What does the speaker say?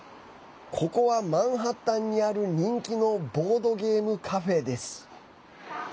ここは、マンハッタンにある人気のボードゲームカフェです。